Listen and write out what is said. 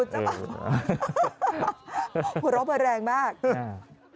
เจ้าบ่าวหัวเราะเปิดแรงมากครับใช่